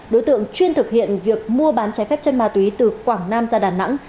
đối tượng chuyên thực hiện việc mua bán trái phép chân ma túy từ quảng nam ra đà nẵng